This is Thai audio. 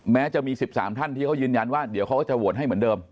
แม้จะมี๑๓ท่านที่เขายืนยันว่าเดี๋ยวเขาก็จะโหวตให้เหมือนเดิม